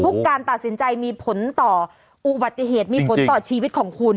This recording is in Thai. การตัดสินใจมีผลต่ออุบัติเหตุมีผลต่อชีวิตของคุณ